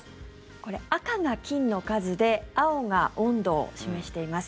これ、赤が菌の数で青が温度を示しています。